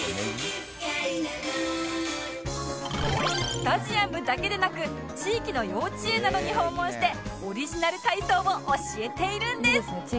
スタジアムだけでなく地域の幼稚園などに訪問してオリジナル体操を教えているんです！